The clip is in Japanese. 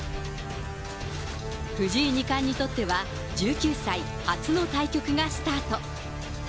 藤井二冠にとっては、１９歳初の対局がスタート。